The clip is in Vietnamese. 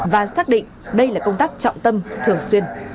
và xác định đây là công tác trọng tâm thường xuyên